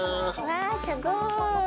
わあすごい！